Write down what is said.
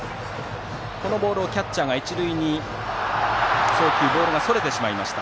このボールをキャッチャーの一塁への送球でボールがそれてしまいました。